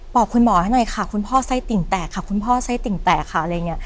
บอกคุณหมอให้หน่อยค่ะคุณพ่อไส้ติ่งแตกค่ะคุณพ่อไส้ติ่งแตกค่ะอะไรอย่างนี้